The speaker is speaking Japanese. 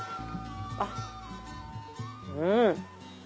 あっうん。